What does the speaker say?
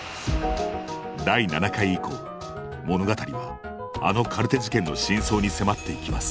第７回以降物語はあのカルテ事件の真相に迫っていきます